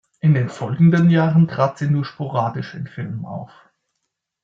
In den folgenden Jahren trat sie nur sporadisch in Filmen auf.